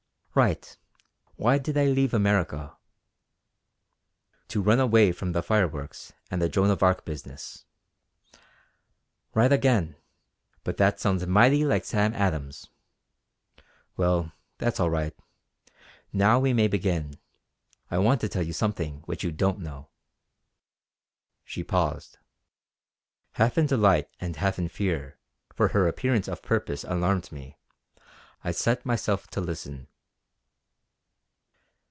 "Right! Why did I leave America?" "To run away from the fireworks and the Joan of Arc business." "Right again; but that sounds mighty like Sam Adams. Well, that's all right; now we may begin. I want to tell you something which you don't know." She paused. Half in delight and half in fear, for her appearance of purpose alarmed me, I set myself to listen.